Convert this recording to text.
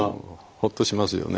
ホッとしますよね。